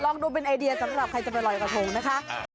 ดูเป็นไอเดียสำหรับใครจะไปลอยกระทงนะคะ